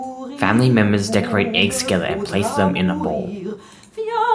Family members decorate eggs together and place them in a bowl.